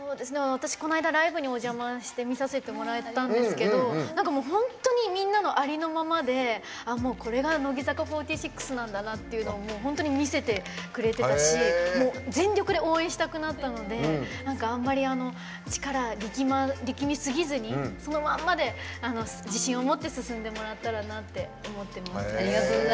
この間ライブにお邪魔して見させてもらったんですけど本当に、みんながありのままでもうこれが乃木坂４６なんだなっていうのを見せてくれてたし全力で応援したくなったのであんまり力みすぎずにそのまんまで自信を持って進んでもらったらなと思ってます。